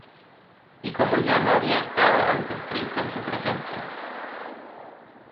Y como yo no había estado antes triste en su presencia,